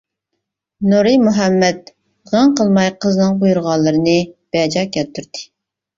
نۇرى مۇھەممەت غىڭ قىلماي قىزنىڭ بۇيرۇغانلىرىنى بەجا كەلتۈردى.